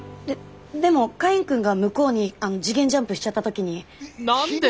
ででもカインくんが向こうに次元ジャンプしちゃった時に。